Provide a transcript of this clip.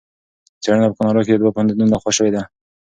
څېړنه په کاناډا کې د دوه پوهنتونونو لخوا شوې ده.